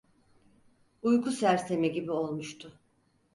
Uyku sersemi gibi olmuştu.